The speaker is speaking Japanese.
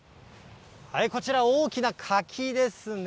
こちら、大きな柿ですね。